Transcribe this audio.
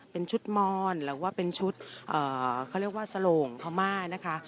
เป็นชุดมอนหรือว่าเป็นชุดเขาเรียกว่าสโหลงพม่านะคะ